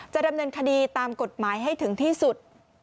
จะดำเนินคดีตามกฎหมายให้ถึงที่สุด